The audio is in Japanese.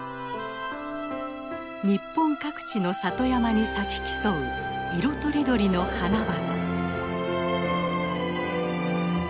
日本各地の里山に咲き競う色とりどりの花々。